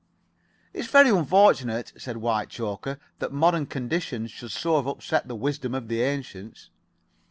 "It's very unfortunate," said Mr. Whitechoker, "that modern conditions should so have upset the wisdom of the ancients."